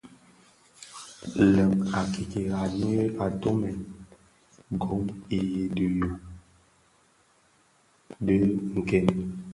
Lèn a kirara nyi tumè gom i dhyu di nken.